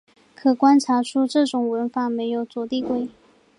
可观察出这种文法没有左递归。